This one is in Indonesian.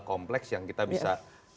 kompleks yang kita bisa